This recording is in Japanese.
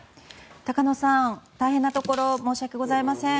高野さん、大変なところ申し訳ございません。